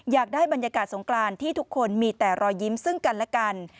อยากได้บรรยากาศสงกรานที่ทุกคนมีแต่รอยยิ้มซึ่งกันและกัน